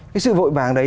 cái sự vội vàng đấy